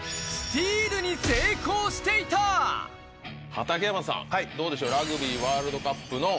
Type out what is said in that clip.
畠山さんどうでしょう。